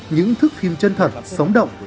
những thức phim chân thật sóng động